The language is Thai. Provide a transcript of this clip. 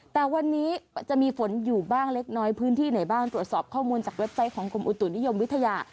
แต่วันนี้จะมีฝนอยู่บ้างเล็กน้อยพื้นที่ไหนบ้างตรวจสอบข้อมูลจากเว็บไซต์ของกรมอุตุนิยมวิทยา